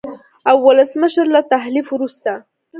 او ولسمشر له تحلیف وروسته